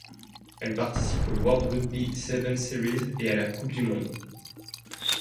Elle participe au World Rugby Sevens Series et à la Coupe du monde.